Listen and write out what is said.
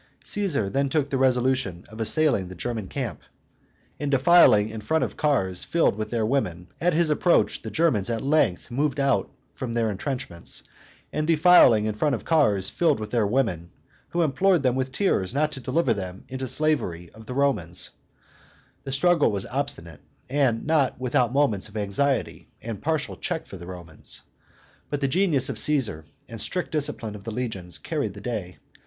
Caesar then took the resolution of assailing the German camp. At his approach, the Germans at length moved out from their intrenchments, arrayed by peoplets, and defiling in front of cars filled with their women, who implored them with tears not to deliver them in slavery to the Romans. The struggle was obstinate, and not without moments of anxiety and partial check for the Romans; but the genius of Caesar and strict discipline of the legions carried the day.